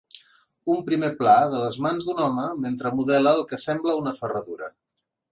Un primer pla de les mans d'un home mentre modela el que sembla una ferradura.